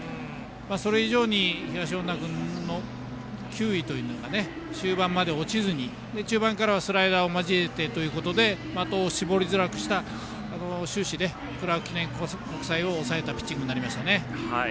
それ以上に東恩納君の球威というのが終盤まで落ちずに中盤からはスライダーを交えてということで的を絞りづらくした終始、クラーク記念国際を抑えたピッチングになりましたね。